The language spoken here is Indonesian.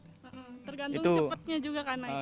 tergantung cepatnya juga kan